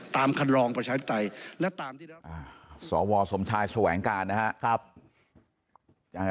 ตามคำลองประชาชนสับสน